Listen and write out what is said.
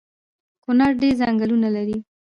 کونړ ډیر ځنګلونه لري